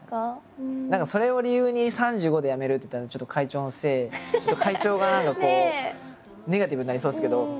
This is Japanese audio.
何かそれを理由に３５でやめるって言ったらちょっと会長のせい会長が何かこうネガティブになりそうですけど。